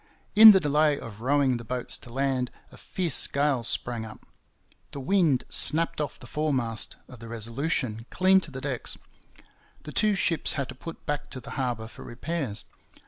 In the delay of rowing the boats to land a fierce gale sprang up. The wind snapped off the foremast of the Resolution clean to the decks. The two ships had to put back to the harbour for repairs.